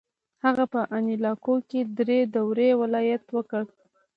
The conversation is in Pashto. هغه په انیلاکو کې درې دورې ولایت وکړ.